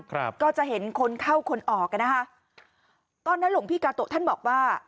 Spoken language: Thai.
ครับก็จะเห็นคนเข้าคนออกอ่ะนะคะตอนนั้นหลวงพี่กาโตะท่านบอกว่า